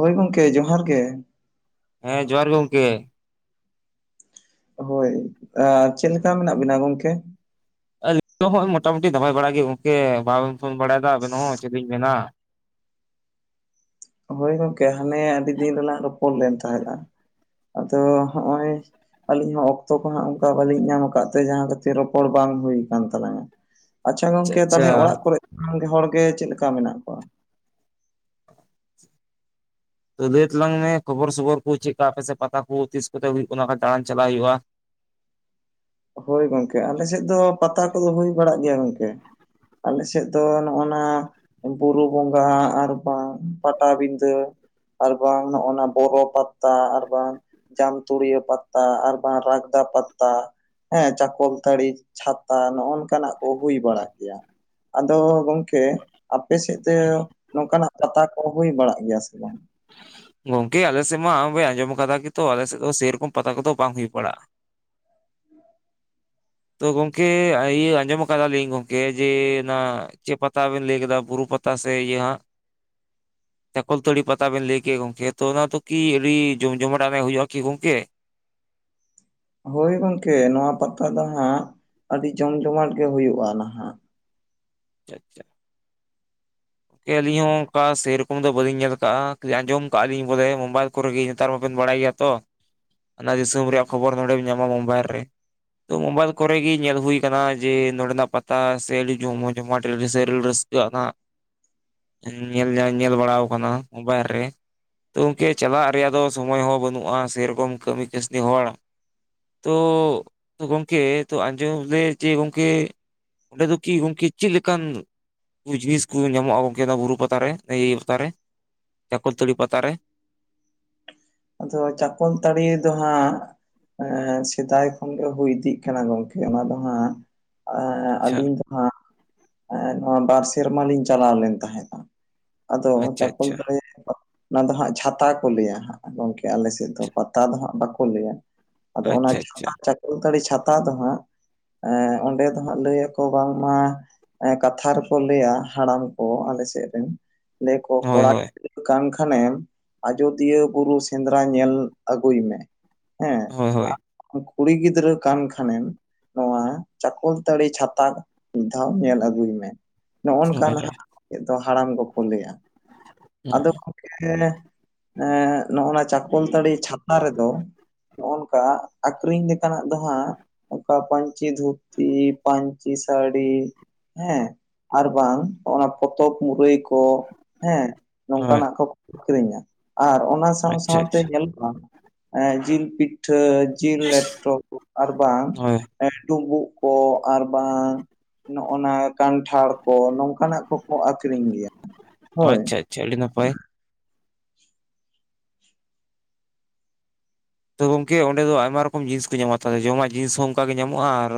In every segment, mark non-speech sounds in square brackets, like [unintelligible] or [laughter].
ᱦᱳᱭ ᱜᱚᱝᱠᱮ ᱡᱚᱦᱟᱨ ᱜᱮ᱾ ᱦᱮᱸ ᱡᱚᱦᱟᱨ ᱜᱮ ᱜᱚᱝᱠᱮ᱾ ᱦᱳᱭ ᱟᱨ ᱪᱮᱫ ᱞᱮᱠᱟ ᱢᱮᱱᱟᱜ ᱵᱤᱱᱟ ᱜᱚᱝᱠᱮ? ᱟᱹᱞᱤᱧ ᱦᱚᱸ ᱢᱚᱴᱟᱢᱩᱴᱤ ᱫᱟᱵᱟᱭ ᱵᱟᱲᱟᱜ ᱜᱮ ᱜᱚᱝᱠᱮ ᱵᱟᱵᱮᱱ ᱯᱷᱳᱱ ᱵᱟᱲᱟᱭᱮᱫᱟ ᱟᱵᱮᱱ ᱦᱚᱸ ᱪᱮᱫᱞᱤᱧ ᱢᱮᱱᱟᱼᱼ ᱦᱳᱭ ᱜᱚᱝᱠᱮ ᱦᱟᱱᱮ ᱟᱹᱰᱤ ᱫᱤᱱ ᱨᱮᱞᱟᱝ ᱨᱚᱯᱚᱲ ᱞᱮᱱ ᱛᱟᱦᱮᱸᱫ-ᱟ ᱟᱫᱚ ᱦᱚᱸᱜ-ᱚᱭᱼᱼ ᱟᱹᱞᱤᱧ ᱦᱚᱸ ᱚᱠᱛᱚ ᱠᱚ ᱦᱟᱸᱜ ᱚᱱᱠᱟ ᱵᱟᱹᱞᱤᱧ ᱧᱟᱢ ᱟᱠᱟᱫ ᱛᱮ ᱡᱟᱦᱟᱸ ᱠᱷᱟᱹᱛᱤᱨ ᱨᱚᱯᱚᱲ ᱵᱟᱝ ᱦᱩᱭ ᱟᱠᱟᱱ ᱛᱟᱞᱟᱝᱟ᱾ ᱟᱪᱪᱷᱟ ᱜᱚᱝᱠᱮ ᱛᱟᱦᱚᱸᱞᱮ ᱚᱲᱟᱜ ᱠᱚᱨᱮ [unintelligible] ᱦᱚᱲ ᱜᱮ ᱪᱮᱫ ᱞᱮᱠᱟ ᱢᱮᱱᱟᱜ ᱠᱚᱣᱟ? ᱞᱟᱹᱭ ᱛᱟᱞᱟᱝ ᱢᱮ ᱠᱷᱚᱵᱚᱨ ᱥᱚᱵᱚᱨ ᱠᱚ ᱪᱮᱫ-ᱠᱟ ᱟᱯᱮ ᱥᱮᱫ ᱯᱟᱛᱟ ᱠᱚ ᱛᱤᱥ ᱠᱚᱛᱮ ᱦᱩᱭᱩᱜ ᱠᱟᱱᱟ ᱵᱟᱠᱷᱟᱡ ᱫᱟᱬᱟᱱ ᱪᱟᱞᱟᱜ ᱦᱩᱭᱩᱜ-ᱟ᱾ ᱦᱳᱭ ᱜᱚᱝᱠᱮ ᱟᱞᱮ ᱥᱮᱫ ᱫᱚ ᱯᱟᱛᱟ ᱠᱚᱫᱚ ᱦᱩᱭ ᱵᱟᱲᱟᱜ ᱜᱮᱭᱟ ᱜᱚᱝᱠᱮ᱾ ᱟᱞᱮ ᱥᱮᱫ ᱫᱚ ᱱᱚᱜ-ᱚ ᱱᱟᱼᱼ ᱵᱩᱨᱩ ᱵᱚᱸᱜᱟ ᱟᱨ ᱵᱟᱝ ᱯᱟᱴᱟᱵᱤᱫᱟᱹᱼᱼ ᱟᱨ ᱵᱟᱝ ᱱᱚᱜᱚ-ᱱᱟ ᱵᱚᱨᱚ ᱯᱟᱛᱟ ᱟᱨ ᱵᱟᱝᱼᱼ ᱡᱟᱢᱛᱩᱲᱤᱭᱟᱹ ᱯᱟᱛᱟ ᱟᱨ ᱵᱟᱝ ᱨᱟᱜᱽᱫᱟ ᱯᱟᱛᱟᱼᱼ ᱦᱮᱸ ᱪᱟᱠᱚᱞᱛᱟᱹᱲᱤ ᱪᱷᱟᱛᱟ ᱱᱚᱜ-ᱚ ᱱᱚᱝᱠᱟᱱᱟᱜ ᱠᱚ ᱦᱩᱭ ᱵᱟᱲᱟ ᱜᱮᱭᱟ᱾ ᱟᱫᱚ ᱜᱚᱝᱠᱮᱼᱼ ᱟᱯᱮ ᱥᱮᱫ ᱛᱮ ᱱᱚᱝᱠᱟᱱᱟᱜ ᱯᱟᱛᱟ ᱠᱚ ᱦᱩᱭ ᱵᱟᱲᱟᱜ ᱜᱮᱭᱟ ᱥᱮ ᱵᱟᱝ? ᱜᱚᱝᱠᱮ ᱟᱞᱮᱥᱮᱫ ᱢᱟ ᱟᱢᱮ ᱟᱸᱡᱚᱢ ᱟᱠᱟᱫᱟ ᱠᱤ ᱛᱚ ᱟᱞᱮᱥᱮᱫ ᱫᱚ ᱥᱮᱨᱚᱠᱚᱢ ᱯᱟᱛᱟ ᱠᱚᱫᱚ ᱵᱟᱝ ᱦᱩᱭ ᱵᱟᱲᱟᱜ-ᱟ᱾ ᱛᱚ ᱜᱚᱝᱠᱮ ᱤᱭᱟᱹ ᱟᱸᱡᱚᱢ ᱠᱟᱫᱟᱞᱤᱧ ᱜᱚᱝᱠᱮ ᱡᱮ ᱚᱱᱟ ᱪᱮᱫ ᱯᱟᱛᱟᱵᱤᱱ ᱞᱟᱹᱭ ᱠᱮᱫᱟ ᱵᱩᱨᱩ ᱯᱟᱛᱟ ᱛᱟ ᱥᱮ ᱤᱭᱟ [inaudible] ᱪᱟᱠᱚᱞ ᱛᱟᱹᱲᱤ ᱯᱟᱛᱟ ᱵᱮᱱ ᱞᱟᱹᱭ ᱠᱮᱜ ᱜᱚᱢᱠᱮ ᱛᱚ ᱚᱱᱟ ᱛᱚ ᱠᱤ ᱟᱹᱰᱤ ᱡᱚᱢ ᱡᱚᱢᱟᱴ ᱜᱮ ᱦᱩᱭᱩᱜ-ᱟ ᱠᱤ ᱜᱚᱢᱠᱮ? ᱦᱳᱭ ᱜᱚᱝᱠᱮ ᱱᱚᱣᱟ ᱯᱟᱛᱟ ᱫᱚ ᱦᱟᱸᱜ ᱟᱹᱰᱤ ᱡᱚᱢ ᱡᱚᱢᱟᱴ ᱜᱮ ᱦᱩᱭᱩᱜ-ᱟ ᱱᱟᱦᱟᱸᱜ᱾ ᱟᱪᱪᱷᱟ ᱟᱪᱪᱷᱟ᱾ ᱟᱹᱞᱤᱧ ᱦᱚᱸ ᱚᱱᱠᱟ ᱥᱮᱨᱚᱠᱚᱢ ᱫᱚ ᱵᱟᱹᱞᱤᱧ ᱧᱮᱞ ᱟᱠᱟᱜ-ᱟ ᱠᱷᱟᱞᱤ ᱟᱸᱡᱚᱢ ᱠᱟᱜ-ᱟ ᱞᱤᱧ ᱵᱚᱞᱮ ᱢᱳᱵᱟᱭᱤᱞ ᱠᱚᱨᱮᱜᱮ ᱱᱮᱛᱟᱨ ᱢᱟᱵᱮᱱ ᱵᱟᱲᱟᱭ ᱜᱮᱭᱟ ᱛᱚ ᱚᱱᱟ ᱫᱤᱥᱚᱢ ᱨᱮᱭᱟᱜ ᱠᱷᱚᱵᱚᱨ ᱱᱚᱸᱰᱮᱢ ᱧᱟᱢᱟ ᱢᱳᱵᱟᱭᱤᱞ ᱨᱮ᱾ ᱛᱚ ᱢᱳᱵᱟᱭᱤᱞ ᱠᱚᱨᱮ ᱜᱮ ᱧᱮᱞ ᱦᱩᱭ ᱠᱟᱱᱟ ᱡᱮ ᱱᱚᱸᱰᱮᱱᱟᱜ ᱯᱟᱛᱟ ᱥᱮ ᱟᱹᱰᱤ ᱡᱚᱢᱚ ᱡᱚᱢᱟᱴ ᱟᱹᱰᱤ ᱨᱟᱹᱥ [unintelligible] ᱧᱮᱞ-ᱧᱮᱞ-ᱧᱮᱞ ᱵᱟᱲᱟᱣ ᱟᱠᱟᱱᱟ ᱢᱳᱵᱟᱭᱤᱞ ᱨᱮ᱾ ᱛᱚ ᱜᱚᱝᱠᱮ ᱪᱟᱞᱟᱜ ᱨᱮᱭᱟᱜ ᱫᱚ ᱥᱚᱢᱚᱭ ᱦᱚᱸ ᱵᱟᱹᱱᱩᱜ-ᱟ ᱥᱮᱨᱚᱠᱚᱢ ᱠᱟᱹᱢᱤ ᱠᱟᱹᱥᱱᱤ ᱦᱚᱲ᱾ ᱛᱚ ᱜᱚᱢᱠᱮ ᱛᱚ ᱟᱸᱡᱚᱢ ᱮᱫᱟᱹᱧ ᱡᱮ ᱜᱚᱝᱠᱮ ᱚᱸᱰᱮ ᱫᱚᱠᱤ ᱜᱩᱝᱠᱤ ᱪᱮᱫ ᱞᱮᱠᱟᱱ ᱡᱤᱱᱤᱥ ᱠᱩ ᱧᱟᱢᱚᱜ-ᱟ ᱜᱚᱢᱠᱮ ᱚᱱᱟ ᱵᱩᱨᱩ ᱯᱟᱛᱟ ᱨᱮ ᱮᱻ ᱯᱟᱛᱟᱨᱮ᱾ ᱪᱟᱠᱚᱞᱛᱟᱹᱲᱤ ᱯᱟᱛᱟᱨ ᱨᱮ? ᱟᱫᱚ ᱪᱟᱠᱚᱞ ᱛᱟᱹᱲᱤ ᱫᱚ ᱦᱟᱸᱜ ᱥᱮᱫᱟᱭ ᱠᱷᱚᱱᱜᱮ ᱦᱩᱭ ᱤᱫᱤᱜ ᱠᱟᱱᱟ ᱜᱚᱝᱠᱮ ᱚᱱᱟ ᱫᱚ ᱦᱟᱸᱜ ᱟᱪᱪᱷᱟ ᱟᱹᱞᱤᱧ ᱫᱚ ᱦᱟᱸᱜ ᱱᱚᱣᱟ ᱵᱟᱨ ᱥᱮᱨᱢᱟ ᱞᱤᱧ ᱪᱟᱞᱟᱣ ᱞᱮᱱ ᱛᱟᱦᱮᱸᱫᱟ ᱟᱫᱚ ᱟᱪᱪᱷᱟ ᱪᱟᱠᱚᱞ ᱟᱪᱪᱷᱟ ᱛᱟᱲᱤ ᱨᱮᱫᱚ ᱱᱚᱣᱟ ᱫᱚ ᱦᱟᱸᱜ ᱪᱷᱟᱛᱟ ᱠᱚ ᱞᱟᱹᱭᱟ ᱦᱟᱸᱜ ᱜᱚᱢᱠᱮ ᱟᱞᱮ ᱥᱮᱫ ᱫᱚ ᱯᱟᱛᱟ ᱫᱚ ᱦᱟᱸᱜ ᱵᱟᱠᱚ ᱞᱟᱹᱭᱟ᱾ ᱟᱫᱚ ᱚᱱᱟ ᱟᱪᱪᱷᱟ ᱟᱪᱪᱷᱟ ᱪᱷᱟᱛᱟ [unintelligible] ᱪᱟᱠᱚᱞ ᱛᱟᱲᱤ ᱪᱷᱟᱛᱟ ᱫᱚ ᱦᱟᱸᱜ ᱮᱸ ᱚᱸᱰᱮ ᱫᱚ ᱦᱟᱸᱜ ᱞᱟᱹᱭ ᱟᱠᱚ ᱵᱟᱝᱢᱟ ᱠᱟᱛᱷᱟ ᱨᱮᱠᱚ ᱞᱟᱹᱭᱟ ᱦᱟᱲᱟᱢ ᱠᱚ ᱟᱞᱮ ᱥᱮᱫ ᱨᱮᱱ ᱞᱟᱹᱭ ᱟᱠᱚ ᱦᱳᱭ ᱠᱚᱲᱟ ᱦᱳᱭ ᱠᱟᱱ ᱠᱷᱟᱱᱮᱢ ᱟᱡᱚᱫᱤᱭᱟᱹ ᱵᱩᱨᱩ ᱥᱮᱸᱫᱽᱨᱟ ᱧᱮᱞ ᱟᱹᱜᱩᱭ ᱢᱮ ᱦᱮᱸ᱾ ᱦᱳᱭ ᱦᱳᱭ᱾ ᱠᱩᱲᱤ ᱜᱤᱫᱽᱨᱟᱹ ᱠᱟᱱ ᱠᱷᱟᱱᱮᱢ ᱱᱚᱣᱟ ᱪᱟᱠᱚᱞᱛᱟᱹᱲᱤ ᱪᱷᱟᱛᱟ ᱢᱤᱫ ᱫᱷᱟᱣ ᱧᱮᱞ ᱟᱹᱜᱩᱭ ᱟᱜᱩᱭ ᱢᱮ ᱱᱚᱜᱚ-ᱱᱚᱝᱠᱟ ᱱᱷᱟᱜ ᱫᱚ ᱦᱟᱲᱟᱢ ᱠᱚᱠᱚ ᱞᱟᱹᱭᱟ ᱟᱫᱚ ᱱᱚᱜ-ᱚ ᱮᱸ ᱪᱟᱠᱚᱞᱛᱟᱹᱲᱤ ᱪᱷᱟᱛᱟ ᱨᱮᱫᱚ ᱱᱚᱜᱚ ᱱᱚᱝᱠᱟ ᱟᱠᱷᱨᱤᱧ ᱞᱮᱠᱟᱱᱟᱜ ᱫᱚ ᱦᱟᱸᱜ ᱱᱚᱝᱠᱟ ᱯᱟᱧᱪᱤ ᱫᱷᱩᱛᱤ ᱯᱟᱧᱪᱤ ᱥᱟᱹᱲᱤ ᱦᱮᱸ ᱟᱨ ᱵᱟᱝ ᱚᱱᱟ ᱯᱚᱛᱚᱵ ᱢᱩᱨᱟᱹᱭ ᱠᱚ ᱦᱮᱸ ᱦᱳᱭ ᱱᱚᱝᱠᱟᱱᱟᱜ ᱠᱚ ᱟᱹᱠᱷᱨᱤᱧᱟ ᱟᱨ ᱚᱱᱟ ᱥᱟᱸᱶ ᱟᱪᱪᱷᱟ ᱥᱟᱸᱶᱛᱮ ᱟᱪᱪᱷᱟ ᱧᱮᱞᱚᱜ-ᱟ ᱡᱤᱞ ᱯᱤᱴᱷᱟᱹ ᱡᱤᱞ ᱞᱮᱴᱚ ᱠᱚ ᱟᱨ ᱵᱟᱝ ᱦᱳᱭ ᱰᱩᱸᱵᱩᱜ ᱠᱚ ᱟᱨ ᱵᱟᱝ ᱱᱚᱜᱚ ᱱᱚᱣᱟ ᱠᱟᱱᱴᱷᱟᱲ ᱠᱚ ᱱᱚᱝᱠᱟᱱᱟᱜ ᱠᱚᱠᱚ ᱟᱹᱠᱷᱨᱤᱧ ᱜᱮᱭᱟ᱾ ᱦᱳᱭ ᱟᱪᱪᱷᱟ-ᱟᱪᱪᱷᱟ ᱟᱹᱰᱤ ᱱᱟᱯᱟᱭ᱾ ᱛᱚ ᱜᱚᱝᱠᱮ ᱚᱸᱰᱮ ᱫᱚ ᱟᱭᱢᱟ ᱨᱚᱠᱚᱢ ᱡᱤᱱᱤᱥ ᱠᱚ ᱧᱟᱢᱟ ᱛᱚ ᱡᱚᱢᱟᱜ ᱡᱤᱱᱤᱥ ᱦᱚᱸ ᱚᱱᱠᱟᱜ ᱜᱮ ᱧᱟᱢᱚᱜ-ᱟ ᱟᱨ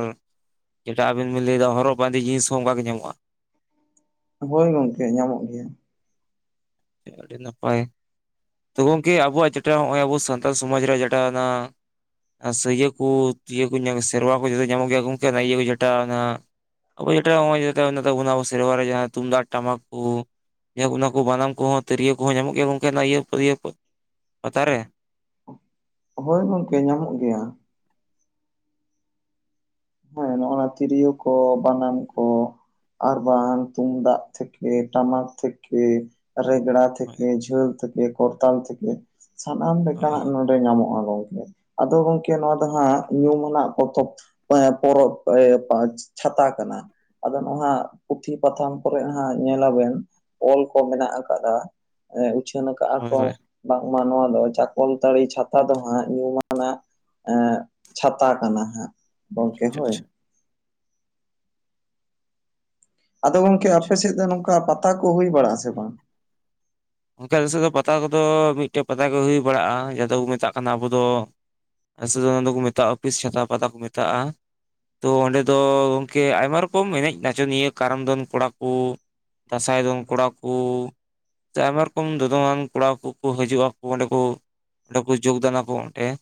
ᱡᱮᱴᱟ ᱟᱵᱮᱱ ᱵᱤᱱ ᱞᱟᱹᱭᱮᱫᱟ ᱦᱚᱨᱚᱜ ᱵᱟᱸᱫᱮ ᱡᱤᱱᱤᱥ ᱦᱚᱸ ᱚᱱᱠᱟ ᱜᱮ ᱧᱟᱢᱚᱜ-ᱟ ᱾ ᱦᱳᱭ ᱜᱚᱝᱠᱮ ᱧᱟᱢᱚᱜ ᱜᱮᱭᱟ᱾ ᱟᱹᱰᱤ ᱱᱟᱯᱟᱭ᱾ ᱛᱚ ᱜᱚᱝᱠᱮ ᱟᱵᱚᱣᱟᱜ ᱡᱮᱴᱟ ᱱᱚᱜ-ᱚᱭ ᱟᱵᱚ ᱥᱟᱱᱛᱟᱞ ᱥᱚᱢᱟᱡᱽ ᱨᱮᱭᱟᱜ ᱡᱮᱴᱟ ᱚᱱᱟ ᱥᱟᱹᱭᱟᱹ ᱠᱚ ᱤᱭᱟᱹ ᱠᱚ ᱥᱮᱨᱣᱟ ᱠᱚ ᱡᱚᱛᱚ ᱧᱟᱢᱚᱜ ᱜᱮᱭᱟ ᱜᱚᱢᱠᱮ ᱚᱱᱟ ᱤᱭᱟᱹ ᱠᱚ ᱡᱮᱴᱟ ᱚᱱᱟ ᱟᱵᱚ ᱡᱮᱴᱟ ᱱᱚᱜ-ᱚ ᱟᱵᱚ ᱥᱮᱨᱣᱟ ᱨᱮ ᱛᱩᱢᱫᱟᱜ ᱴᱟᱢᱟᱠ ᱠᱚ ᱚᱱᱟ ᱠᱚ ᱵᱟᱱᱟᱢ ᱩᱱᱠᱩᱦᱚᱸ ᱛᱤᱨᱭᱳ ᱠᱚᱦᱚᱸ ᱧᱟᱢᱚᱜ ᱜᱮᱭᱟ ᱜᱚᱝᱠᱮ ᱚᱱᱟ ᱤᱭᱟᱹ [unintelligible] ᱯᱟᱛᱟ ᱨᱮ? ᱦᱳᱭ ᱜᱚᱢᱠᱮ ᱧᱟᱢᱚᱜ ᱜᱮᱭᱟ᱾ ᱦᱮᱸ ᱱᱚᱜ-ᱚᱱᱟ ᱛᱤᱨᱭᱳ ᱠᱚ ᱵᱟᱱᱟᱢ ᱠᱚ, ᱟᱨ ᱵᱟᱝ ᱛᱩᱢᱫᱟᱜ ᱛᱷᱮᱠᱮ ᱴᱟᱢᱟᱠ ᱛᱷᱮᱠᱮ, ᱨᱮᱜᱽᱲᱟ ᱦᱳᱭ ᱛᱷᱮᱠᱮ ᱡᱷᱟᱹᱣ ᱛᱷᱮᱠᱮ ᱠᱚᱨᱛᱟᱞ ᱛᱷᱮᱠᱮ ᱥᱟᱱᱟᱢ ᱦᱳᱭ ᱞᱮᱠᱟᱱᱟᱜ ᱱᱚᱰᱮ ᱧᱟᱢᱚᱜ-ᱟ ᱜᱚᱢᱠᱮ, ᱟᱫᱚ ᱜᱚᱢᱠᱮ ᱱᱚᱣᱟ ᱫᱚ ᱦᱟᱜ ᱧᱩᱢᱟᱱᱟᱜ ᱯᱚᱛᱚᱵ ᱯᱚᱨᱚᱵᱽ ᱮ ᱪᱷᱟᱛᱟ ᱠᱟᱱᱟ ᱾ ᱟᱫᱚ ᱱᱚᱣᱟ ᱯᱩᱛᱷᱤ ᱯᱟᱛᱷᱟᱢ ᱠᱚᱨᱮ ᱦᱟᱸᱜ ᱧᱮᱞᱟ ᱵᱮᱱ ᱚᱭᱮᱞ ᱠᱚ ᱢᱮᱱᱟᱜ ᱟᱠᱟᱫᱟ᱾ ᱮᱜ ᱩᱪᱷᱟᱹᱱ ᱠᱟᱜ-ᱟ ᱦᱳᱭ ᱠᱚ, ᱦᱳᱭ ᱵᱟᱝᱢᱟ ᱱᱚᱣᱟ ᱫᱚ ᱪᱟᱠᱚᱞᱛᱟᱹᱲᱤ ᱪᱷᱟᱛᱟ ᱫᱚ ᱦᱟᱸᱜ ᱧᱩᱢᱟᱱᱟᱜ ᱮ ᱪᱷᱟᱛᱟ ᱠᱟᱱᱟ, ᱦᱟᱸᱜ ᱜᱚᱢᱠᱮ ᱟᱪᱪᱷᱟ ᱦᱳᱭ᱾ ᱟᱪᱪᱷᱟ ᱟᱫᱚ ᱜᱚᱢᱠᱮ ᱟᱯᱮ ᱟᱪᱪᱷᱟ ᱥᱮᱫ ᱫᱚ ᱱᱚᱝᱠᱟ ᱯᱟᱛᱟ ᱠᱚ ᱦᱩᱭ ᱵᱟᱲᱟᱜ ᱟᱥᱮ ᱵᱟᱝ? ᱜᱚᱢᱠᱮ ᱟᱞᱮ ᱥᱮᱫ ᱫᱚ ᱯᱟᱛᱟ ᱠᱚ ᱫᱚ ᱢᱤᱫᱴᱮᱡ ᱯᱟᱛᱟ ᱜᱮ ᱦᱩᱭ ᱵᱟᱲᱟᱜ-ᱟ ᱡᱟᱦᱟᱸ ᱫᱚ ᱵᱚ ᱢᱮᱛᱟᱜ ᱠᱟᱱᱟ ᱟᱵᱚ ᱫᱚ ᱟᱥᱮ ᱚᱱᱟ ᱫᱚ ᱠᱚ ᱢᱮᱛᱟᱜ-ᱟ ᱟᱹᱯᱤᱥ ᱪᱷᱟᱛᱟ ᱯᱟᱛᱟ ᱠᱚ ᱢᱮᱛᱟᱜ-ᱟ ᱾ ᱛᱚ ᱚᱸᱰᱮ ᱫᱚ ᱜᱚᱢᱠᱮ ᱟᱭᱢᱟ ᱨᱚᱠᱚᱢ ᱮᱱᱮᱡ ᱱᱟᱪᱚᱱᱤᱭᱟᱹ ᱠᱟᱨᱟᱢ ᱫᱚᱱ ᱠᱚᱲᱟ ᱠᱳ ᱫᱟᱸᱥᱟᱭ ᱫᱚᱱ ᱠᱚᱲᱟ ᱠᱳ ᱥᱮ ᱟᱭᱢᱟ ᱨᱚᱠᱚᱢ ᱫᱚᱫᱚᱱ ᱟᱱ ᱠᱚᱲᱟ ᱠᱳ ᱠᱳ ᱦᱤᱡᱩᱜ-ᱟᱠᱳ ᱚᱸᱰᱮ ᱠᱳ ᱚᱸᱰᱮ ᱠᱳ ᱡᱳᱜᱽ ᱫᱟᱱ ᱟᱠᱚ ᱚᱸᱰᱮ ᱾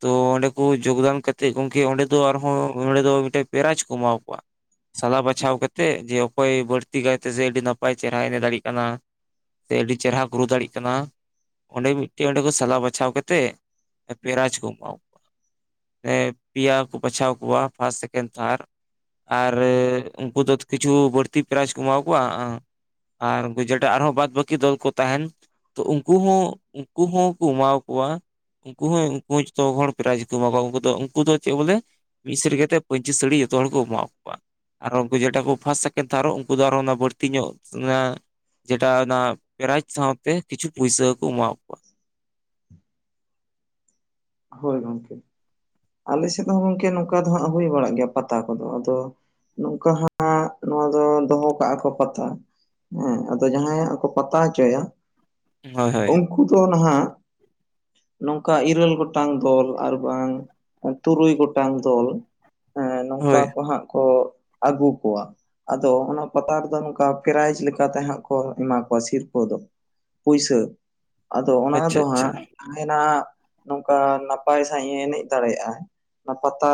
ᱛᱚ ᱚᱸᱰᱮ ᱠᱳ ᱡᱳᱜᱽᱫᱟᱱ ᱠᱟᱛᱮᱫ ᱜᱚᱢᱠᱮ ᱚᱸᱰᱮ ᱫᱚ ᱟᱨᱦᱚᱸ ᱚᱸᱰᱮ ᱫᱚ ᱢᱤᱫᱴᱮᱡ ᱯᱮᱨᱟᱭᱤᱡᱽ ᱠᱚ ᱮᱢᱟ ᱠᱚᱣᱟ᱾ ᱥᱟᱞᱟ ᱵᱟᱪᱷᱟᱣ ᱠᱟᱛᱮᱫ ᱡᱮ ᱚᱠᱚᱭ ᱵᱟᱹᱲᱛᱤ ᱠᱟᱭ ᱛᱮ ᱥᱮ ᱟᱹᱰᱤ ᱱᱟᱯᱟᱭ ᱪᱮᱦᱨᱟᱭ ᱮᱱᱮᱡ ᱫᱟᱲᱮᱭᱟᱜ ᱠᱟᱱᱟ ᱾ ᱥᱮ ᱟᱹᱰᱤ ᱪᱮᱦᱨᱟ ᱜᱨᱳ ᱫᱟᱲᱮᱭᱟᱜ ᱠᱟᱱᱟ ᱾ ᱚᱸᱰᱮ ᱢᱤᱫᱴᱮᱱ ᱚᱸᱰᱮ ᱠᱚ ᱥᱟᱞᱟ ᱵᱟᱪᱷᱟᱣ ᱠᱟᱛᱮᱫ ᱯᱮᱨᱟᱭᱤᱡ ᱠᱚ ᱮᱢᱟᱣ ᱾ ᱯᱮ ᱯᱮᱭᱟ ᱠᱚ ᱵᱟᱪᱷᱟᱣ ᱠᱚᱣᱟ ᱯᱷᱟᱥᱴ ᱥᱮᱠᱮᱱᱰ ᱛᱷᱟᱨ, ᱟᱨ ᱩᱱᱠᱩ ᱫᱚ ᱠᱤᱪᱷᱩ ᱵᱟᱹᱲᱛᱤ ᱯᱨᱟᱭᱤᱡᱽ ᱠᱚ ᱮᱢᱟ ᱠᱳᱣᱟ ᱟᱨ ᱵᱟᱹᱡᱮᱴᱟ ᱟᱨᱦᱚᱸ ᱵᱟᱫᱽ ᱵᱟᱹᱠᱤ ᱫᱚᱞ ᱠᱚ ᱛᱟᱦᱮᱱ ᱛᱚ ᱩᱱᱠᱩ ᱦᱚᱸ ᱩᱱᱠᱩ ᱦᱚᱸᱠᱚ ᱮᱢᱟ ᱠᱳᱣᱟ᱾ ᱩᱱᱠᱩ ᱦᱚᱸ ᱩᱱᱠᱩ ᱦᱚᱸ ᱡᱚᱛᱚ ᱦᱚᱲ ᱯᱨᱟᱭᱤᱡ ᱠᱚ ᱮᱢᱟ ᱠᱚᱣᱟ, ᱩᱱᱠᱩ ᱫᱚ ᱩᱱᱠᱩ ᱫᱚ ᱪᱮᱫ ᱵᱚᱞᱮ? ᱢᱤᱫ ᱥᱮᱴ ᱥᱟᱹᱲᱛᱮ ᱯᱟᱹᱧᱪᱤ ᱥᱟᱹᱲᱤ ᱡᱚᱛᱚ ᱦᱚᱲ ᱠᱚ ᱮᱢᱟ ᱠᱳᱣᱟ᱾ ᱟᱨ ᱩᱱᱠᱩ ᱡᱮᱴᱟ ᱠᱚ ᱯᱷᱟᱥᱴ ᱥᱮᱠᱮᱱᱰ ᱛᱷᱟᱨᱚᱜ ᱩᱱᱠᱩ ᱫᱚ ᱟᱨᱚ ᱵᱟᱹᱲᱛᱤ ᱧᱚᱜ ᱡᱮᱴᱟ ᱚᱱᱟ ᱯᱮᱨᱟᱭᱤᱡᱽ ᱥᱟᱶᱛᱮ ᱠᱤᱪᱷᱩ ᱯᱩᱭᱥᱟᱹᱠᱩ ᱮᱢᱟᱣ᱾ ᱦᱳᱭ ᱜᱚᱢᱠᱮ ᱟᱞᱮ ᱥᱮᱫ ᱦᱚᱸ ᱜᱚᱢᱠᱮ ᱱᱚᱝᱠᱟ ᱫᱚ ᱦᱟᱸᱜ ᱦᱳᱭ ᱵᱟᱲᱟᱜ ᱜᱮᱭᱟ ᱯᱟᱛᱟ ᱠᱚᱫᱚ ᱟᱫᱚ ᱱᱚᱝᱠᱟ ᱦᱟᱸᱜ ᱱᱚᱣᱟ ᱫᱚ ᱫᱚ ᱦᱚ ᱠᱟᱜ-ᱟ ᱠᱚ ᱯᱟᱛᱟ᱾ ᱦᱮᱸ ᱟᱫᱚ ᱡᱟᱦᱟᱸᱭ ᱦᱟᱸᱜ ᱠᱚ ᱯᱟᱛᱟ ᱦᱚᱪᱚᱭᱟ ᱾ ᱦᱳᱭ ᱦᱳᱭ, ᱩᱱᱠᱩ ᱫᱚ ᱱᱟᱦᱟᱜ ᱱᱚᱝᱠᱟ ᱤᱨᱟᱹᱞ ᱜᱚ ᱴᱟᱝ ᱫᱚᱞ ᱟᱨ ᱵᱟᱝ ᱛᱩᱨᱩᱭ ᱜᱚᱴᱟᱝ ᱫᱚᱞ ᱦᱮᱸ, ᱱᱚᱝᱠᱟ ᱦᱳᱭ ᱠᱚ ᱦᱟᱸᱜ ᱠᱚ ᱟᱹᱜᱩ ᱠᱚᱣᱟ᱾ ᱟᱫᱚ ᱚᱱᱟ ᱯᱟᱛᱟ ᱨᱮ ᱫᱚ ᱱᱚᱝᱠᱟ ᱯᱨᱟᱭᱤᱡᱽ ᱞᱮᱠᱟ ᱛᱮ ᱦᱟᱸᱜ ᱠᱚ ᱮᱢᱟ ᱠᱚᱣᱟ ᱥᱤᱨᱯᱟᱹ ᱫᱚ᱾ ᱯᱩᱭᱥᱟᱹ ᱟᱫᱚ ᱚᱱᱟ ᱟᱪᱪᱷᱟ ᱫᱚ ᱟᱪᱪᱷᱟ ᱦᱟᱸᱜ ᱡᱟᱦᱟᱱᱟᱜ, ᱚᱝᱠᱟ ᱱᱟᱯᱟᱭ ᱥᱟᱺᱦᱤᱡ ᱮ ᱮᱱᱮᱡ ᱫᱟᱲᱮᱭᱟᱜ-ᱟ᱾ ᱚᱱᱟ ᱯᱟᱛᱟ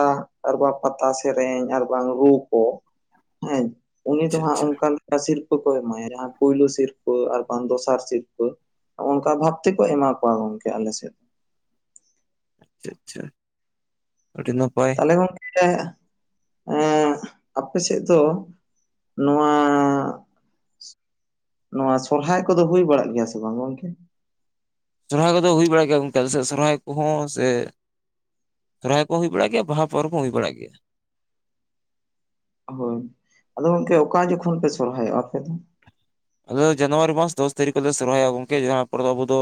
ᱟᱨ ᱵᱟᱝ ᱯᱟᱛᱟ ᱥᱮᱨᱮᱧ ᱟᱨ ᱵᱟᱝ ᱨᱩ ᱠᱚ, ᱦᱮᱸ ᱩᱱᱤ ᱫᱚ ᱟᱪᱪᱷᱟ ᱦᱟᱸᱜ ᱟᱪᱪᱷᱟ ᱚᱱᱠᱟᱱ, ᱥᱤᱨᱯᱟᱹ ᱠᱚ ᱮᱢᱟᱭᱟ ᱡᱟᱦᱟᱸ ᱯᱩᱭᱞᱳ ᱥᱤᱨᱯᱟᱹ ᱟᱨ ᱵᱟᱝ ᱫᱚᱥᱟᱨ ᱥᱤᱨᱯᱟᱹ᱾ ᱚᱱᱠᱟ ᱵᱷᱟᱵᱽ ᱛᱮᱠᱚ ᱮᱢᱟ ᱠᱚᱣᱟ ᱜᱚᱢᱠᱮ ᱟᱞᱮ ᱥᱮᱫ ᱾ ᱟᱪᱪᱷᱟ ᱟᱪᱪᱷᱟ, ᱟᱰᱤ ᱱᱟᱯᱟᱭ᱾ ᱦᱮ, ᱜᱚᱢᱠᱮ ᱮᱸᱜ ᱟᱯᱮ ᱥᱮᱫ ᱫᱚ ᱱᱚᱣᱟ ᱱᱚᱣᱟ ᱥᱚᱨᱦᱟᱭ ᱠᱚᱫᱚ ᱦᱩᱭ ᱵᱟᱲᱟᱜ ᱜᱮᱭᱟ ᱥᱮ ᱵᱟᱝ ᱜᱚᱝᱠᱮ? ᱥᱚᱨᱦᱟᱭ ᱠᱚᱫᱚ ᱦᱩᱭ ᱵᱟᱲᱟᱜ ᱜᱮᱭᱟ ᱜᱚᱝᱠᱮ ᱟᱞᱮ ᱥᱮᱫ ᱥᱚᱨᱦᱟᱭ ᱠᱚᱦᱚᱸ ᱥᱮ ᱦᱚᱨᱦᱟᱭ ᱠᱚ ᱦᱩᱭ ᱵᱟᱲᱟᱜ ᱜᱮᱭᱟ, ᱵᱟᱦᱟ ᱯᱚᱨᱚᱵᱽ ᱦᱚᱸ ᱦᱩᱭ ᱵᱟᱲᱟ ᱜᱮᱭᱟ᱾ ᱦᱳᱭ, ᱟᱫᱚ ᱜᱚᱝᱠᱮ ᱚᱠᱟ ᱡᱚᱠᱷᱚᱱ ᱯᱮ ᱥᱚᱨᱦᱟᱭᱚᱜ-ᱟ ᱟᱯᱮ ᱫᱚ? ᱟᱞᱮ ᱫᱚ ᱡᱟᱱᱩᱣᱟᱨᱤ ᱢᱟᱥ ᱫᱚᱥ ᱛᱟᱹᱨᱤᱠᱷ ᱨᱮᱞᱮ ᱥᱚᱨᱚᱦᱚᱨᱟᱭᱚ-ᱟ ᱜᱚᱢᱠᱮ ᱡᱟᱦᱟᱸ ᱯᱚᱨ ᱟᱵᱩ ᱫᱚ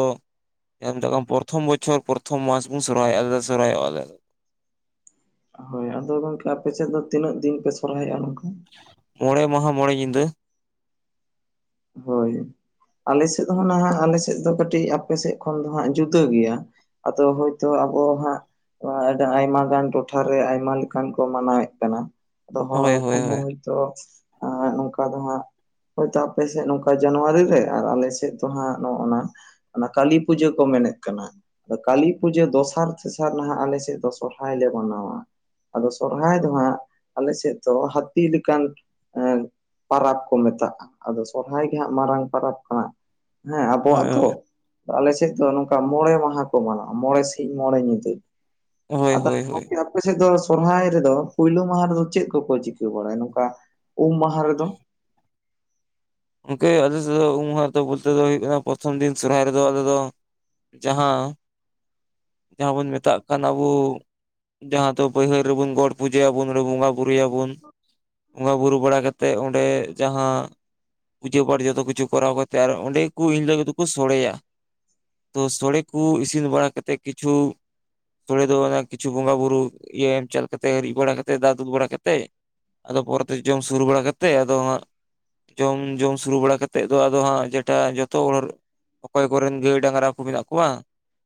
ᱡᱟᱦᱟᱸ ᱢᱮᱛᱟᱜ ᱯᱨᱚᱛᱷᱚᱢ ᱵᱚᱪᱷᱚᱨ ᱯᱚᱛᱷᱚᱢ ᱢᱟᱥ ᱵᱚᱱ ᱥᱚᱨᱦᱟᱭᱚᱜ-ᱟ ᱟᱞᱮ ᱫᱚ ᱥᱚᱨᱦᱟᱭ-ᱚᱜ ᱟᱞᱮ᱾ ᱦᱳᱭ ᱟᱫᱚ ᱜᱚᱝᱠᱮ ᱟᱯᱮ ᱥᱮᱫ ᱫᱚ ᱛᱤᱱᱟᱹᱜ ᱫᱤᱱ ᱯᱮ ᱥᱚᱨᱦᱟᱭᱚᱜ-ᱟ ᱜᱚᱝᱠᱮ? ᱢᱚᱬᱮ ᱢᱟᱦᱟ ᱢᱚᱬᱮ ᱧᱤᱫᱟᱹ᱾ ᱦᱳᱭ ᱟᱞᱮ ᱥᱮᱫ ᱦᱚᱸ ᱱᱟᱦᱟᱜ ᱟᱞᱮ ᱥᱮᱫ ᱫᱚ ᱠᱟᱹᱴᱤᱡ ᱟᱯᱮ ᱥᱮᱫ ᱠᱷᱚᱱ ᱫᱚ ᱦᱟᱸᱜ ᱡᱩᱫᱟᱹ ᱜᱮᱭᱟ᱾ ᱟᱫᱚ ᱦᱳᱭ ᱛᱳ ᱟᱵᱚ ᱦᱟᱸᱜ ᱱᱚᱣᱟ ᱟᱰᱟ ᱟᱭᱢᱟ ᱜᱟᱱ ᱴᱚᱴᱷᱟᱨᱮ ᱟᱭᱢᱟ ᱞᱮᱠᱟᱱ ᱠᱚ ᱢᱟᱱᱟᱣᱮᱫ ᱠᱟᱱᱟ᱾ ᱫᱚᱦᱚ ᱦᱳᱭ ᱦᱳᱭ ᱦᱚᱯᱚᱱ ᱦᱚᱸ ᱦᱳᱭ ᱦᱚᱭ ᱛᱚ ᱮ ᱱᱚᱝᱠᱟ ᱫᱚ ᱦᱟᱸᱜ ᱦᱳᱭ ᱛᱚ ᱟᱯᱮ ᱥᱮᱫ ᱱᱚᱝᱠᱟ ᱡᱟᱱᱩᱣᱟᱨᱤ ᱨᱮ ᱟᱨ ᱟᱞᱮ ᱥᱮᱫ ᱫᱚ ᱦᱟᱸᱜ ᱱᱚᱜ-ᱚᱱᱟ ᱚᱱᱟ ᱠᱟᱹᱞᱤ ᱯᱩᱡᱟᱹ ᱠᱚ ᱢᱮᱱᱮᱫ ᱠᱟᱱᱟ᱾ ᱠᱟᱹᱞᱤ ᱯᱩᱡᱟᱹ ᱫᱚᱥᱟᱨ ᱛᱮᱥᱟᱨ ᱱᱟᱦᱟᱜ ᱟᱞᱮ ᱥᱮᱫ ᱫᱚ ᱥᱚᱨᱦᱟᱭ ᱞᱮ ᱢᱟᱱᱟᱣᱟ᱾ ᱟᱫᱚ ᱥᱚᱨᱦᱟᱭ ᱫᱚ ᱦᱟᱸᱜ ᱟᱞᱮ ᱥᱮᱫ ᱫᱚ ᱦᱟᱹᱛᱤ ᱞᱮᱠᱟᱱ ᱮ ᱯᱟᱨᱟᱵᱽ ᱠᱚ ᱢᱮᱛᱟᱜ-ᱟ᱾ ᱟᱫᱚ ᱥᱚᱨᱚᱦᱟᱭ ᱜᱮ ᱦᱟᱸᱜ ᱢᱟᱨᱟᱝ ᱯᱚᱨᱚᱵᱽ ᱠᱟᱱᱟ ᱦᱮᱸ ᱟᱵᱚᱣᱟᱜ ᱫᱚ᱾ ᱦᱳᱭ ᱛᱚ ᱟᱞᱮ ᱥᱮᱫ ᱫᱚ ᱱᱚᱝᱠᱟ ᱢᱚᱬᱮ ᱢᱟᱦᱟ ᱠᱚ ᱢᱟᱱᱟᱣᱟ ᱢᱚᱬᱮ ᱥᱤᱧ ᱢᱚᱬᱮ ᱧᱤᱫᱟᱹ᱾ ᱦᱳᱭ ᱟᱫᱚ ᱦᱳᱭ ᱦᱳᱭ, ᱜᱚᱝᱠᱮ ᱟᱯᱮ ᱥᱮᱫ ᱫᱚ ᱥᱚᱨᱚᱦᱟᱭ ᱨᱮᱫᱚ ᱯᱩᱭᱞᱳ ᱢᱟᱦᱟ ᱨᱮᱫᱚ ᱪᱮᱫ ᱠᱚᱠᱚ ᱪᱤᱠᱟᱹ ᱵᱟᱲᱟᱭᱟ ᱱᱚᱝᱠᱟ ᱩᱢ ᱢᱟᱦᱟ ᱨᱮᱫᱚ? ᱜᱚᱢᱠᱮ ᱟᱞᱮ ᱥᱮᱫ ᱫᱚ ᱩᱢ ᱢᱟᱦᱟ ᱨᱮ ᱫᱚ ᱵᱚᱞᱛᱮ ᱫᱚ ᱦᱩᱭᱩᱜ ᱠᱟᱱᱟ ᱯᱨᱚᱛᱷᱚᱢ ᱫᱤᱱ ᱥᱚᱨᱦᱟᱭ ᱨᱮᱫᱚ ᱟᱞᱮ ᱫᱚ ᱡᱟᱦᱟᱸ ᱡᱟᱦᱟᱸ ᱵᱚᱱ ᱢᱮᱛᱟᱜ ᱠᱟᱱ ᱟᱵᱩ᱾ ᱡᱟᱦᱟᱸ ᱫᱚ ᱵᱟᱹᱭᱦᱟᱹᱲ ᱨᱮᱵᱩᱱ ᱜᱚᱴ ᱯᱩᱡᱟᱹᱭᱟ ᱵᱩᱱ ᱚᱸᱰᱮ ᱵᱚᱸᱜᱟ ᱵᱩᱨᱩᱭᱟ ᱵᱩᱱ᱾ ᱵᱚᱸᱜᱟ ᱵᱩᱨᱩ ᱵᱟᱲᱟ ᱠᱟᱛᱮᱫ ᱚᱸᱰᱮ ᱡᱟᱦᱟᱸ ᱯᱩᱡᱟᱹ ᱯᱟᱴ ᱡᱚᱛᱚ ᱠᱤᱪᱷᱩ ᱠᱚᱨᱟᱣ ᱠᱟᱛᱮᱫ ᱟᱨ ᱚᱸᱰᱮ ᱠᱚ ᱤᱱ ᱦᱤᱞᱳᱜ ᱫᱚᱠᱚ ᱥᱚᱲᱮᱭᱟ᱾ ᱛᱚ ᱥᱚᱲᱮ ᱠᱚ ᱤᱥᱤᱱ ᱵᱟᱲᱟ ᱠᱟᱛᱮᱫ ᱠᱤᱪᱷᱩ ᱥᱚᱲᱮ ᱫᱚ ᱚᱱᱮ ᱠᱤᱪᱷᱩ ᱵᱚᱸᱜᱟ ᱵᱩᱨᱩ ᱤᱭᱟᱹ ᱮᱢ ᱪᱟᱞ ᱠᱟᱛᱮ ᱨᱤᱫ ᱵᱟᱲᱟ ᱠᱟᱛᱮᱫ ᱫᱟᱜ ᱫᱩᱞ ᱵᱟᱲᱟ ᱠᱟᱛᱮᱫ ᱟᱫᱚ ᱯᱚᱨᱮᱛᱮ ᱡᱚᱢ ᱥᱩᱨᱩ ᱵᱟᱲᱟ ᱠᱟᱛᱮᱫ ᱟᱫᱚ ᱡᱚᱢ, ᱡᱚᱢ ᱥᱩᱨᱩ ᱵᱟᱲᱟ ᱠᱟᱛᱮᱫ ᱫᱚ ᱟᱫᱚ ᱦᱟᱸᱜ ᱡᱮᱴᱟ ᱡᱚᱛᱚ ᱦᱚᱲ ᱚᱠᱚᱭ ᱠᱚᱨᱮᱱ ᱜᱟᱹᱭ ᱰᱟᱹᱝᱨᱟ ᱠᱚ ᱢᱮᱱᱟᱜ ᱠᱚᱣᱟ,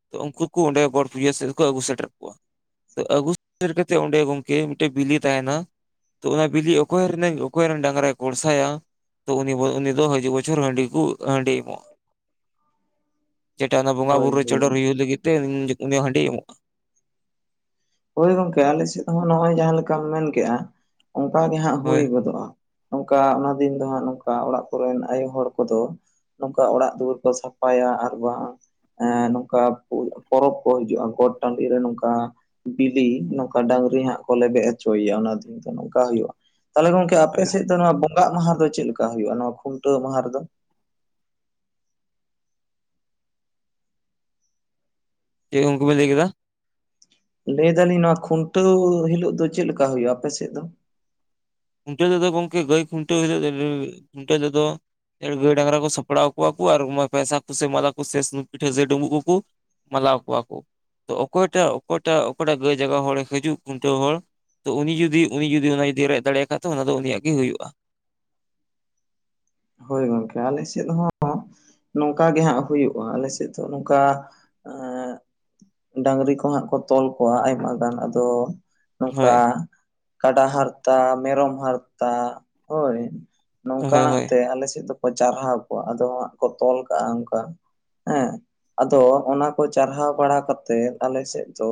ᱛᱚ ᱩᱱᱠᱩ ᱠᱚ ᱚᱸᱰᱮ ᱜᱚᱴ ᱯᱩᱡᱟᱹ ᱥᱮᱫ ᱠᱚ ᱟᱹᱜᱩ ᱥᱮᱴᱮᱨ ᱠᱚᱣᱟ᱾ ᱛᱚ ᱟᱹᱜᱩ ᱥᱮᱴᱮᱨ ᱠᱟᱛᱮᱫ ᱚᱸᱰᱮ ᱜᱚᱢᱠᱮ ᱢᱤᱫᱴᱮᱡ ᱵᱤᱞᱤ ᱛᱟᱦᱮᱱᱟ᱾ ᱛᱚ ᱚᱱᱟ ᱵᱤᱞᱤ ᱚᱠᱚᱭ ᱨᱮᱱᱮᱝ ᱚᱠᱚᱭ ᱨᱮᱱ ᱰᱟᱹᱝᱨᱟᱭ ᱠᱚᱨᱥᱟᱭᱟ ᱛᱚ ᱩᱱᱤ, ᱩᱱᱤ ᱫᱚ ᱦᱮᱡᱩᱜ ᱵᱚᱪᱷᱚᱨ ᱦᱟᱺᱰᱤ ᱠᱩ ᱦᱟᱺᱰᱤ ᱮᱢᱚᱜ-ᱟ᱾ ᱡᱮᱴᱟ ᱚᱱᱟ ᱵᱚᱸᱜᱟ ᱦᱳᱭ ᱵᱩᱨᱩ ᱦᱳᱭ ᱪᱚᱰᱚᱨ ᱦᱩᱭᱩᱜ ᱞᱟᱹᱜᱤᱫ ᱛᱮ ᱩᱱᱤ ᱦᱟᱺᱰᱤ ᱮᱢᱚᱜ-ᱟ᱾ ᱦᱳᱭ ᱜᱚᱝᱠᱮ ᱟᱞᱮ ᱥᱮᱫ ᱦᱚᱸ ᱱᱚᱜ-ᱚᱭ ᱡᱟᱦᱟᱸ ᱞᱮᱠᱟᱢ ᱢᱮᱱ ᱠᱮᱜ-ᱟ, ᱚᱱᱠᱟ ᱜᱮ ᱦᱟᱸᱜ ᱦᱩᱭ ᱦᱳᱭ ᱜᱚᱫᱚᱜ-ᱟ᱾ ᱱᱚᱝᱠᱟ ᱚᱱᱟ ᱫᱤᱱ ᱫᱚ ᱦᱟᱸᱜ ᱱᱚᱝᱠᱟ ᱚᱲᱟᱜ ᱠᱚᱨᱮᱱ ᱟᱭᱳ ᱦᱚᱲ ᱠᱚᱫᱚ ᱱᱚᱝᱠᱟ ᱚᱲᱟᱜ ᱫᱩᱣᱟᱹᱨ ᱠᱚ ᱥᱟᱯᱷᱟᱭᱟ ᱟᱨ ᱵᱟᱝ ᱮ ᱱᱚᱝᱠᱟ ᱯᱚᱨᱚᱵᱽ ᱠᱚ ᱦᱤᱡᱩᱜ-ᱟ ᱜᱚᱴ ᱴᱟᱺᱰᱤ ᱨᱮ ᱱᱚᱝᱠᱟ ᱵᱤᱞᱤ ᱱᱚᱝᱠᱟ ᱰᱟᱹᱝᱨᱤ ᱦᱟᱸᱜ ᱠᱚ ᱞᱮᱵᱮᱫ ᱦᱚᱪᱚᱭ ᱮᱭᱟ, ᱚᱱᱟ ᱫᱤᱱ ᱫᱚ ᱱᱚᱝᱠᱟ ᱦᱩᱭᱩᱜ-ᱟ᱾ ᱛᱟᱦᱚᱞᱮ ᱜᱚᱝ- ᱠᱮ ᱟᱯᱮ ᱦᱳᱭ ᱥᱮᱫ ᱫᱚ ᱱᱚᱣᱟ ᱵᱚᱸᱜᱟᱜ ᱢᱟᱦᱟ ᱫᱚ ᱪᱮᱫ ᱞᱮᱠᱟ ᱦᱩᱭᱩᱜ-ᱟ ᱱᱚᱣᱟ ᱠᱷᱩᱱᱴᱟᱹᱣ ᱢᱟᱦᱟ ᱨᱮᱫᱚ? ᱪᱮᱫ ᱩᱱᱠᱩ ᱵᱮᱱ ᱞᱟᱹᱭ ᱠᱮᱫᱟ? ᱞᱟᱹᱭ ᱫᱟᱞᱤᱧ ᱱᱚᱣᱟ ᱠᱷᱩᱱᱴᱟᱹᱣ ᱦᱤᱞᱳᱜ ᱫᱚ ᱪᱮᱫ ᱞᱮᱠᱟ ᱦᱩᱭᱩᱜ-ᱟ ᱟᱯᱮ ᱥᱮᱫ ᱫᱚ? ᱠᱷᱩᱱᱴᱟᱹᱣ ᱛᱮᱫᱚ ᱜᱚᱝᱠᱮ ᱜᱟᱹᱭ ᱠᱷᱩᱱᱴᱟᱹᱣ ᱦᱤᱞᱳᱜ ᱫᱚ ᱠᱷᱩᱱᱴᱟᱹᱣ ᱛᱮᱫᱚ ᱜᱟᱹᱭ ᱰᱟᱝᱨᱟ ᱠᱚ ᱥᱟᱯᱲᱟᱣ ᱠᱚᱣᱟ ᱠᱚ ᱟᱨ ᱯᱚᱭᱥᱟ ᱠᱚᱥᱮ ᱢᱟᱞᱟ ᱠᱚᱥᱮ ᱥᱩᱱ ᱯᱤᱴᱷᱟᱹ ᱥᱮ ᱰᱩᱸᱵᱩᱜ ᱠᱚᱠᱚ ᱢᱟᱞᱟᱣ ᱟᱠᱚᱣᱟ ᱟᱠᱚ ᱛᱚ ᱚᱠᱚᱭᱴᱟᱜ ᱚᱠᱚᱭᱴᱟᱜ ᱚᱠᱚᱭᱴᱟᱜ ᱜᱟᱹᱭ ᱡᱟᱭᱜᱟ ᱦᱚᱲᱮ ᱦᱤᱡᱩᱜ ᱠᱷᱩᱱᱴᱟᱹᱣ ᱦᱚᱲ ᱛᱚ ᱩᱱᱤ ᱡᱩᱫᱤ ᱩᱱᱤ ᱡᱩᱫᱤ ᱚᱱᱟ ᱡᱩᱫᱤᱭ ᱨᱮᱡ ᱫᱟᱲᱮᱭᱟᱜ ᱠᱷᱟᱡ ᱛᱚ ᱚᱱᱟ ᱫᱚ ᱩᱱᱤᱭᱟᱜ ᱜᱮ ᱦᱩᱭᱩᱜ-ᱟ ᱾ ᱦᱳᱭ ᱜᱚᱝᱠᱮ ᱟᱞᱮ ᱥᱮᱫ ᱦᱚᱸ ᱱᱚᱝᱠᱟ ᱜᱮ ᱦᱟᱸᱜ ᱦᱩᱭᱩᱜ-ᱟ ᱟᱞᱮ ᱥᱮᱫ ᱫᱚ ᱱᱚᱝᱠᱟ ᱮ ᱰᱟᱝᱨᱤ ᱠᱚ ᱦᱟᱸᱜ ᱠᱚ ᱛᱚᱞ ᱠᱚᱣᱟ ᱟᱭᱢᱟ ᱜᱟᱱ ᱟᱫᱚ ᱱᱚᱝᱠᱟ ᱦᱳᱭ ᱠᱟᱰᱟ ᱦᱟᱨᱛᱟ ᱢᱮᱨᱚᱢ ᱦᱟᱨᱛᱟ ᱦᱳᱭ ᱾ ᱦᱳᱭ ᱱᱚᱝᱠᱟ ᱱᱟᱜ ᱦᱳᱭ ᱛᱮ ᱟᱞᱮ ᱥᱮᱫ ᱫᱚᱠᱚ ᱪᱟᱨᱦᱟᱣ ᱠᱚᱣᱟ ᱟᱫᱚ ᱦᱟᱸᱜ ᱠᱚ ᱛᱚᱞ ᱠᱟᱜ-ᱟ ᱚᱱᱠᱟ ᱦᱮᱸ ᱾ ᱟᱫᱚ ᱚᱱᱟ ᱠᱚ ᱪᱟᱨᱦᱟᱣ ᱵᱟᱲᱟ ᱠᱟᱛᱮᱫ ᱟᱞᱮ ᱥᱮᱫ ᱫᱚ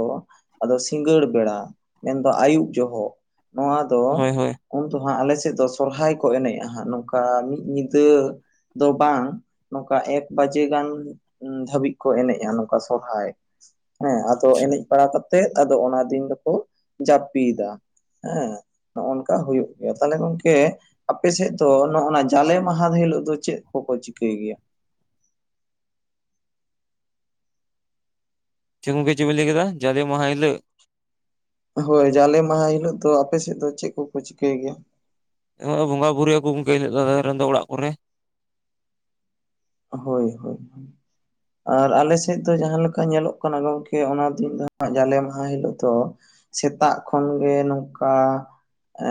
ᱟᱫᱚ ᱥᱤᱸᱜᱟᱹᱲ ᱵᱮᱲᱟ ᱢᱮᱱ ᱫᱚ ᱟᱹᱩᱵ ᱡᱚᱦᱚᱜ ᱱᱚᱣᱟ ᱫᱚ ᱦᱳᱭ ᱦᱳᱭ ᱩᱱ ᱫᱚ ᱦᱟᱸᱜ ᱟᱞᱮ ᱥᱮᱫ ᱫᱚ ᱥᱚᱨᱦᱟᱭ ᱠᱚ ᱮᱱᱮᱡ-ᱟ ᱦᱟᱸᱜ ᱱᱚᱝᱠᱟ ᱢᱤᱫ ᱧᱤᱫᱟᱹ ᱾ ᱫᱚ ᱵᱟᱝ ᱱᱚᱝᱠᱟ ᱮᱠ ᱵᱟᱡᱮ ᱜᱟᱱ ᱫᱷᱟᱹᱵᱤᱡ ᱠᱚ ᱮᱱᱮᱡ-ᱟ ᱱᱚᱝᱠᱟ ᱥᱚᱨᱦᱟᱭ ᱾ ᱦᱮᱸ ᱟᱫᱚ ᱟᱪᱪᱷᱟ ᱮᱱᱮᱡ ᱵᱟᱲᱟ ᱠᱟᱛᱮᱫ ᱟᱫᱚ ᱚᱱᱟ ᱫᱤᱱ ᱫᱚᱠᱚ ᱡᱟᱹᱯᱤᱫᱟ ᱾ ᱦᱮᱸ ᱱᱚᱜ ᱱᱚᱠᱟ ᱦᱩᱭᱩᱜ ᱜᱮᱭᱟ, ᱛᱟᱦᱚᱞᱮ ᱜᱚᱝᱠᱮ ᱟᱯᱮ ᱥᱮᱫ ᱫᱚ ᱱᱚ-ᱱᱟᱜ ᱡᱟᱞᱮ ᱢᱟᱦᱟ ᱦᱤᱞᱳᱜ ᱫᱚ ᱪᱮᱫ ᱠᱚᱠᱚ ᱪᱤᱠᱟᱹᱭ ᱜᱮᱭᱟ? ᱪᱮᱫ ᱜᱚᱢᱜᱮ ᱪᱮᱫ ᱵᱮᱱ ᱞᱟᱹᱭ ᱠᱮᱫᱟ ᱡᱟᱞᱮ ᱢᱟᱦᱟ ᱦᱤᱞᱳᱜ ᱦᱳᱭ ᱡᱟᱞᱮ ᱢᱟᱦᱟ ᱦᱤᱞᱳᱜ ᱫᱚ ᱟᱯᱮ ᱥᱮᱫ ᱫᱚ ᱪᱮᱫ ᱠᱚᱠᱚ ᱪᱤᱠᱟᱹᱭ ᱜᱮᱭᱟ? ᱵᱚᱸᱜᱟ ᱵᱩᱨᱩᱭ ᱟᱠᱚ ᱜᱚᱢᱠᱮ [unintelligible] ᱨᱮᱱ ᱫᱚ ᱚᱲᱟᱜ ᱠᱚᱨᱮ ᱦᱳᱭ ᱦᱳᱭ ᱾ ᱟᱨ ᱟᱞᱮ ᱥᱮᱫ ᱫᱚ ᱡᱟᱦᱟᱸ ᱞᱮᱠᱟ ᱧᱮᱞᱚᱜ ᱠᱟᱱᱟ ᱜᱚᱢᱠᱮ ᱚᱱᱟ ᱫᱤᱱ ᱫᱚ ᱡᱟᱞᱮ ᱢᱟᱦᱟ ᱦᱤᱞᱳᱜ ᱫᱚ ᱥᱮᱛᱟᱜ ᱠᱷᱚᱱᱜᱮ ᱱᱚᱝᱠᱟ ᱮ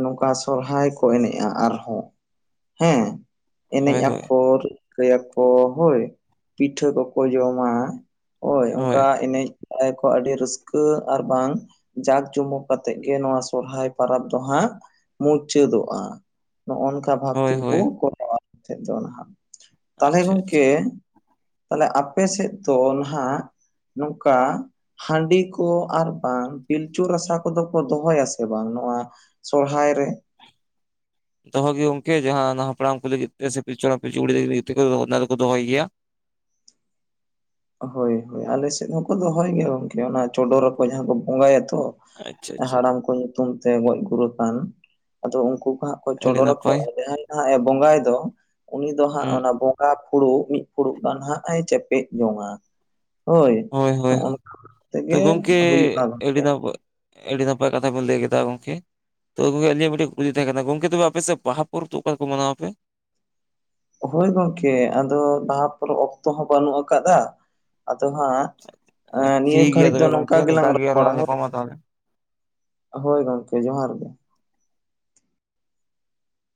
ᱱᱚᱝᱠᱟ ᱥᱚᱨᱦᱟᱭ ᱠᱚ ᱮᱱᱮᱡ-ᱟ ᱟᱨᱦᱚᱸ ᱦᱮᱸ᱾ ᱮᱱᱮᱡ ᱦᱳᱭ ᱦᱳᱭ ᱟᱠᱚ ᱨᱤᱠᱟᱹᱭ ᱟᱠᱚ ᱦᱳᱭ ᱯᱤᱴᱷᱟᱹ ᱠᱚᱠᱚ ᱡᱚᱢᱟ ᱾ ᱦᱳᱭ ᱚᱱᱠᱟ ᱮᱱᱮᱡ ᱵᱟᱲᱟᱭ ᱟᱠᱚ ᱟᱹᱰᱤ ᱨᱟᱹᱥᱠᱟᱹ ᱟᱨ ᱵᱟᱝ ᱡᱟᱠ ᱡᱚᱢᱚᱠ ᱠᱟᱛᱮᱫ ᱜᱮ ᱱᱚᱣᱟ ᱥᱚᱨᱦᱟᱭ ᱯᱚᱨᱚᱵ ᱫᱚ ᱦᱟᱸᱜ ᱢᱩᱪᱟᱹᱫᱚᱜ-ᱟ ᱾ ᱱᱚᱜ ᱱᱚᱝᱠᱟ ᱵᱷᱟᱵ ᱦᱳᱭ ᱛᱮᱜᱮ ᱠᱚ ᱦᱳᱭ ᱠᱚᱨᱟᱣᱟ ᱟᱞᱮ ᱥᱮᱫ ᱫᱚ ᱱᱟᱦᱟᱸᱜ ᱛᱟᱦᱚᱞᱮ ᱟᱪᱪᱷᱟ ᱟᱪᱪᱷᱟ ᱜᱚᱢᱠᱮ ᱾ ᱛᱟᱦᱚᱞᱮ ᱟᱯᱮ ᱥᱮᱫ ᱫᱚ ᱱᱟᱦᱟᱸᱜ ᱱᱚᱝᱠᱟ ᱦᱟᱹᱰᱤ ᱠᱚ ᱟᱨ ᱵᱟᱝ ᱯᱤᱞᱪᱩ ᱨᱟᱥᱟ ᱠᱚᱫᱚ ᱠᱚ ᱫᱚᱦᱚᱭᱟ ᱥᱮ ᱵᱟᱝ ᱱᱚᱣᱟ ᱥᱚᱨᱚᱦᱟᱭ ᱨᱮ? ᱫᱚᱦᱚ ᱜᱮ ᱜᱚᱝᱠᱮ ᱡᱟᱦᱟᱸ ᱦᱟᱯᱲᱟᱢ ᱠᱚ ᱞᱟᱹᱜᱤᱫ ᱛᱮ ᱥᱮ ᱯᱤᱞᱪᱩᱦᱟᱲᱟᱢ ᱯᱤᱞᱪᱩᱵᱩᱲᱦᱤ ᱛᱟᱠᱤᱱ ᱞᱟᱹᱜᱤᱫ ᱛᱮ ᱚᱱᱟ ᱫᱚᱠᱚ ᱫᱚᱦᱚᱭ ᱜᱮᱭᱟ ᱾ ᱦᱳᱭ ᱦᱳᱭ ᱟᱞᱮ ᱥᱮᱫ ᱦᱚᱸᱠᱚ ᱫᱚᱦᱚᱭ ᱜᱮᱭᱟ ᱜᱚᱝᱠᱮ ᱚᱱᱟ ᱪᱚᱰᱚᱨ ᱟᱠᱚ ᱡᱟᱦᱟᱸ ᱠᱚ ᱵᱚᱸᱜᱟᱭᱟ ᱛᱚ ᱟᱪᱪᱷᱟ ᱾ ᱟᱪᱪᱷᱟ ᱦᱟᱲᱟᱢ ᱠᱚ ᱧᱩᱛᱩᱢᱛᱮ ᱜᱚᱡ ᱜᱩᱨ ᱟᱠᱟᱱ ᱟᱫᱚ ᱩᱱᱠᱩ ᱠᱚ ᱦᱟᱸᱜ ᱟᱹᱰᱤ ᱪᱚᱰᱚᱨ ᱟᱠᱚ ᱱᱟᱯᱟᱭ ᱡᱟᱦᱟᱸᱭ ᱦᱟᱸᱜ ᱮ ᱵᱚᱸᱜᱟᱭ ᱫᱚ ᱩᱱᱤ ᱫᱚ ᱦᱟᱸᱜ ᱦᱩᱸ ᱚᱱᱟ ᱵ ᱵᱟᱨ ᱯᱷᱩᱲᱩᱜ ᱢᱤᱫ ᱯᱷᱩᱲᱩᱜ ᱜᱟᱱ ᱦᱟᱸᱜ ᱮ ᱪᱮᱯᱮᱡ ᱡᱚᱝ-ᱟ ᱾ ᱦᱳᱭ ᱦᱳᱭ ᱦᱳᱭ, ᱱᱚᱝᱠᱟ ᱛᱚ ᱛᱮᱜᱮ ᱜᱚᱝᱠᱮ ᱦᱩᱭᱩᱜ-ᱟ ᱟᱹᱰᱤ ᱜᱚᱢᱠᱮ ᱾ ᱱᱟᱯᱟᱭ ᱟᱹᱰᱤ ᱱᱟᱯᱟᱭ ᱠᱟᱛᱷᱟ ᱵᱤᱱ ᱞᱟᱹᱭ ᱠᱮᱫᱟ ᱜᱚᱢᱠᱮ ᱾ ᱛᱚ ᱜᱚᱢᱠᱮ ᱟᱹᱞᱤᱧᱧᱟᱜ ᱢᱤᱫᱴᱮᱱ ᱠᱩᱞᱤ ᱛᱟᱦᱮᱸ ᱠᱟᱱᱟ ᱜᱚᱢᱠᱮ ᱛᱚᱵᱮ ᱟᱯᱮ ᱥᱮᱫ ᱵᱟᱦᱟ ᱯᱚᱨᱚᱵ ᱫᱚ ᱚᱠᱟ ᱨᱮᱠᱚ ᱢᱟᱱᱟᱣ ᱟᱯᱮ? ᱦᱳᱭ ᱜᱚᱝᱠᱮ ᱟᱫᱚ ᱞᱟᱦᱟ ᱯᱚᱨᱚᱵ ᱚᱠᱛᱚ ᱦᱚᱸ ᱵᱟᱹᱱᱩᱜ ᱟᱠᱟᱫᱟ ᱟᱫᱚ ᱦᱟᱸᱜ ᱱᱤᱭᱟᱹ ᱴᱷᱤᱠ ᱜᱮᱭᱟ ᱜᱷᱟᱹᱲᱤᱡ ᱫᱚ ᱛᱚᱵᱮ ᱱᱚᱝᱠᱟ ᱜᱚᱝᱠᱮ ᱱᱤᱝᱠᱟ ᱜᱮᱞᱟᱝ ᱜᱮ ᱨᱚᱯᱚᱲᱟ ᱟᱨᱦᱚᱸ ᱦᱳᱭ ᱧᱟᱯᱟᱢᱟ ᱾ ᱛᱟᱦᱚᱞᱮ ᱦᱳᱭ ᱜᱚᱝᱠᱮ ᱡᱚᱦᱟᱨ ᱜᱮ ᱾